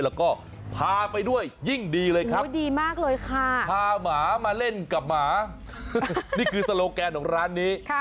แล้วก็พาไปด้วยยิ่งดีเลยครับดีมากเลยค่ะพาหมามาเล่นกับหมานี่คือโซโลแกนของร้านนี้